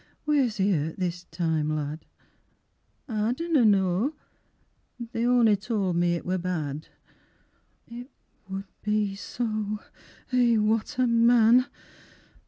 Wheers he hurt this time, lad? I dunna know, They on'y towd me it wor bad It would be so! Eh, what a man!